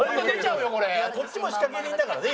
こっちも仕掛け人だからね